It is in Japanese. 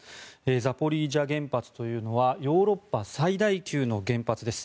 ザポリージャ原発というのはヨーロッパ最大級の原発です。